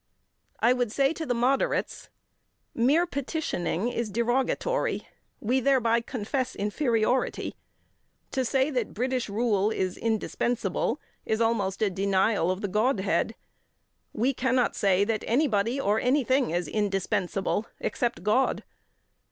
I would say to the moderates: "Mere petitioning is derogatory; we thereby confess inferiority. To say that British rule is indispensable, is almost a denial of the Godhead. We cannot say that anybody or anything is indispensable except God.